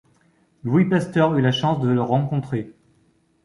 Louis Pasteur eut la chance de le rencontrer.